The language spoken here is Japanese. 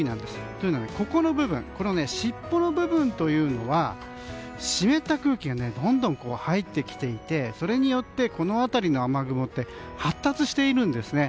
というのは尻尾の部分というのは湿った空気がどんどん入ってきていてそれによって、この辺りの雨雲が発達しているんですね。